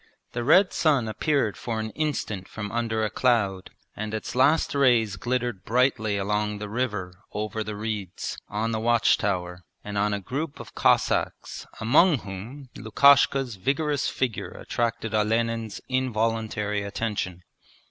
The red sun appeared for an instant from under a cloud and its last rays glittered brightly along the river over the reeds, on the watch tower, and on a group of Cossacks, among whom Lukashka's vigorous figure attracted Olenin's involuntary attention.